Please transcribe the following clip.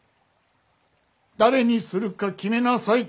誰にするか決めなさい。